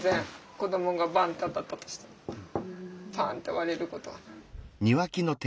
子どもがバンッて当たったとしてもパンッて割れることはない。